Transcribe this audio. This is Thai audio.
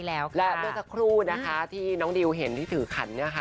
แล้วด้วยกับครูนะคะที่น้องดิวเห็นที่ถือขันนะคะ